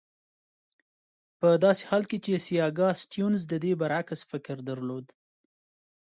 په داسې حال کې چې سیاکا سټیونز د دې برعکس فکر درلود.